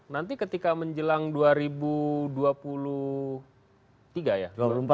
nanti ketika menjelang dua ribu dua puluh tiga ya